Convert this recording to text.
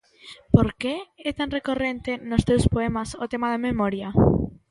Por que é tan recorrente nos teus poemas o tema da memoria?